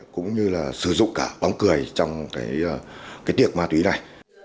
cũng như sử dụng cả bóng cười trong tiệc ma túy này